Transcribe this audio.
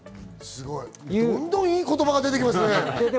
どんどん、いい言葉が出てきますね。